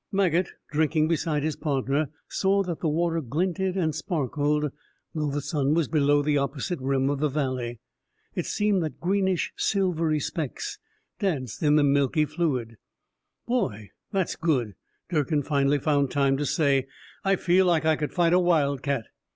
Maget, drinking beside his partner, saw that the water glinted and sparkled, though the sun was below the opposite rim of the valley. It seemed that greenish, silvery specks danced in the milky fluid. "Boy, that's good," Durkin finally found time to say, "I feel like I could fight a wildcat."